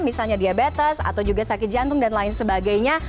misalnya diabetes atau juga sakit jantung dan lain sebagainya